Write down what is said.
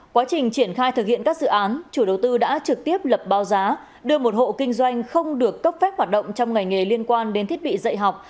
quá trình triển khai thực hiện các dự án chủ đầu tư đã trực tiếp lập báo giá đưa một hộ kinh doanh không được cấp phép hoạt động trong ngành nghề liên quan đến thiết bị dạy học